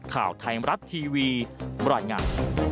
ข่าวไทยมรัฐทีวีบรรยายงาน